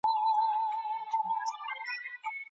علمي تحقیق په خپلسري ډول نه ویشل کیږي.